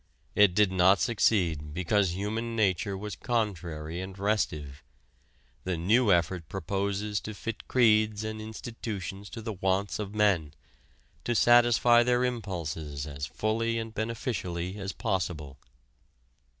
It did not succeed because human nature was contrary and restive. The new effort proposes to fit creeds and institutions to the wants of men, to satisfy their impulses as fully and beneficially as possible.